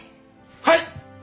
はい！